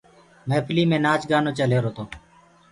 مهڦلي مينٚ نآچ گآنو چل رهيرو تو۔